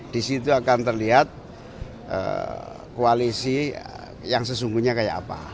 di situ akan terlihat koalisi yang sesungguhnya kayak apa